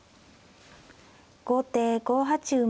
後手５八馬。